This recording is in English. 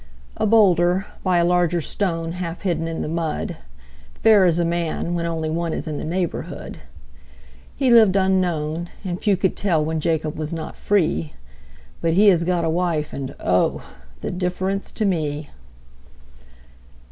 A boulder, by a larger stone Half hidden in the mud, Fair as a man when only one Is in the neighborhood. He lived unknown, and few could tell When Jacob was not free; But he has got a wife, and O! The difference to me!